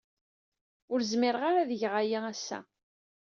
Ur zmireɣ ara ad geɣ aya ass-a.